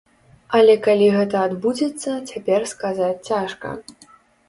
Але калі гэта адбудзецца, цяпер сказаць цяжка.